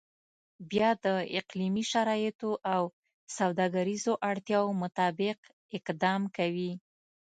بیا د اقلیمي شرایطو او سوداګریزو اړتیاو مطابق اقدام کوي.